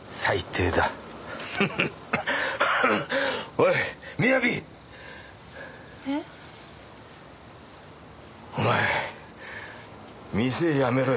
お前店辞めろよな。